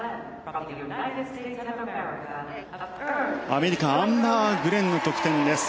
アメリカ、アンバー・グレンの得点です。